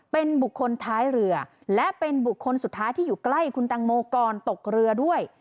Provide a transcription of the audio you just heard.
เป็นบุคคลท้ายเรือและเป็นบุคคลสุดท้ายที่อยู่ใกล้คุณตังโมก่อนตกเรือด้วย